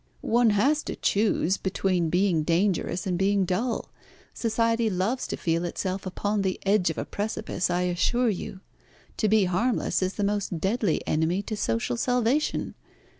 "One has to choose between being dangerous and being dull. Society loves to feel itself upon the edge of a precipice, I assure you. To be harmless is the most deadly enemy to social salvation.